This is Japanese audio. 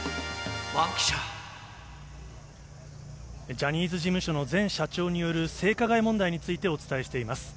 ジャニーズ事務所の前社長による性加害問題についてお伝えしています。